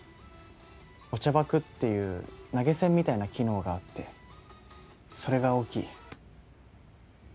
お茶爆っていう投げ銭みたいな機能があってそれが大きい。